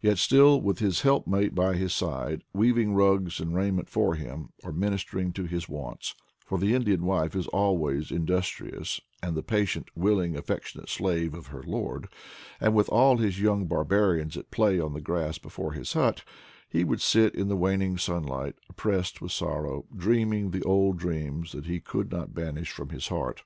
Yet still, with his helpmate by his side, weaving rugs and raiment for him or ministering to his wants — for the Indian wife is always industrious and the patient, willing, affectionate slave of her lord— ^ and with all his young barbarians at play on the grass before his hut, he would sit in the waning sunlight oppressed with sorrow, dreaming the old dreams he could not banish from his heart.